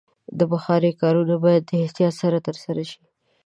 د بخارۍ کارونه باید د احتیاط سره ترسره شي.